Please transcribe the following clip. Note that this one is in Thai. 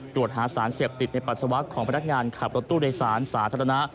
ตรวจหาสารเสพติดในปัสสาวะของพนักงานขับรถตู้โดยสารสาธารณะ